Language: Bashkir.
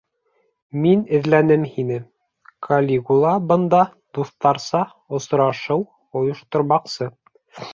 Мин эҙләнем һине, Калигула бында дуҫтарса осрашыу ойоштормаҡсы.